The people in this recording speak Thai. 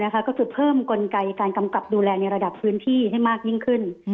ก็คือเพิ่มกลไกการกำกับดูแลในระดับพื้นที่ให้มากยิ่งขึ้น